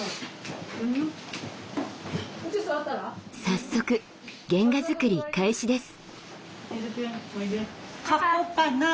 早速原画作り開始です。